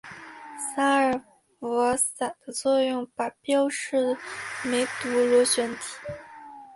洒尔佛散的作用靶标是梅毒螺旋体。